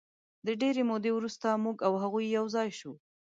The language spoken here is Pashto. د ډېرې مودې وروسته موږ او هغوی یو ځای شوو.